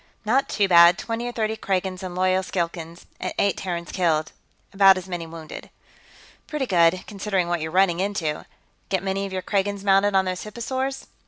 "Not too bad. Twenty or thirty Kragans and loyal Skilkans, and eight Terrans killed, about as many wounded." "Pretty good, considering what you're running into. Get many of your Kragans mounted on those hipposaurs?"